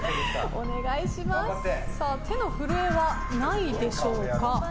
手の震えはないでしょうか。